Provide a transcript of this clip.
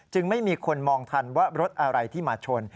ไม่มีคนมองทันว่ารถอะไรที่มาชน